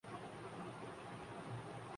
تجھ میں اور مجھ میں بہت فرق ہے